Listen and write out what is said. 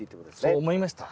そう思いました。